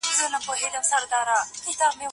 د خوږ کچالو بحث هم شته.